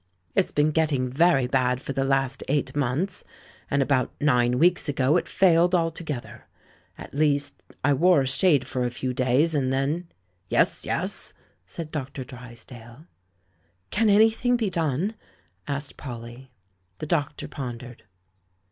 It's been getting very bad for the last eight months ; and about nine weeks ago it failed alto gether. At least, I wore a shade for a few days, and then " "Yes, yes," said Dr. Drj^sdale. "Can anything be done?" asked Polly. The doctor pondered.